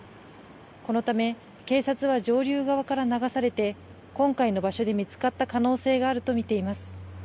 このため、警察は上流側から流されて、今回の場所で見つかった可能性があると見ています。